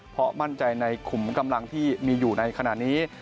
เพราะมั่นใจในขุมกำลังที่มีอยู่ในขณะนี้